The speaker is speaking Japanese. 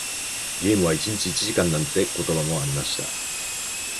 ゲームは一日一時間なんて言葉もありました。